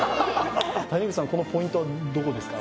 谷口さんこのポイントはどこですか？